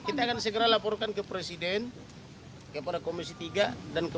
kita akan segera laporkan ke presiden kepada komisi tiga dan kepala